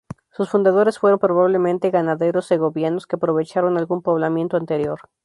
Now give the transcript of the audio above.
Sus fundadores fueron probablemente ganaderos segovianos que aprovecharon algún poblamiento anterior.